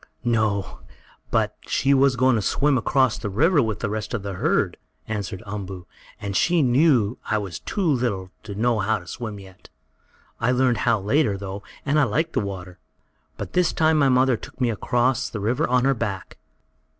"No, but she was going to swim across the river with the rest of the herd," answered Umboo, "and she knew I was too little to know how to swim yet. I learned how later, though, and I liked the water. But this time my mother took me across the river on her back."